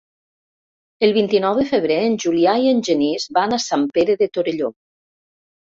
El vint-i-nou de febrer en Julià i en Genís van a Sant Pere de Torelló.